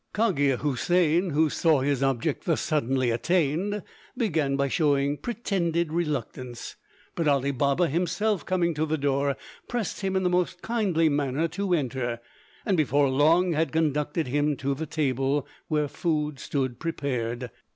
Cogia Houssain, who saw his object thus suddenly attained, began by showing pretended reluctance, but Ali Baba himself coming to the door, pressed him in the most kindly manner to enter, and before long had conducted him to the table, where food stood prepared.